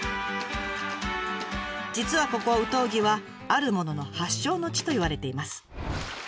実はここ有東木はあるものの発祥の地といわれています。